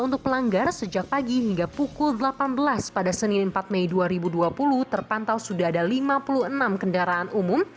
untuk pelanggar sejak pagi hingga pukul delapan belas pada senin empat mei dua ribu dua puluh terpantau sudah ada lima puluh enam kendaraan umum